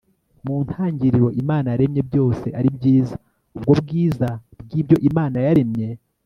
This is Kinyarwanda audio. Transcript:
mu ntangiriro imana yaremye byose ari byiza. ubwo bwiza by'ibyo imana yaremye